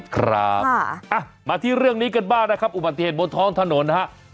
ครับมาที่เรื่องนี้กันบ้างนะครับอุบัติเหตุบนท้องถนนนะครับ